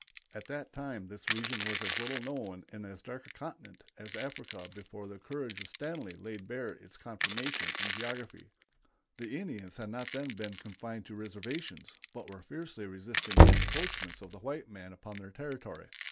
At that time this region was as little known and as dark a continent as Africa before the courage of Stanley laid bare its conformation and geography. The Indians had not then been confined to reservations, but were fiercely resisting the encroachments of the white men upon their territory.